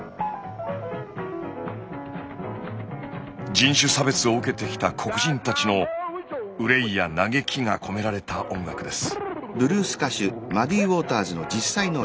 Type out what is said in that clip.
人種差別を受けてきた黒人たちの憂いや嘆きが込められた音楽です。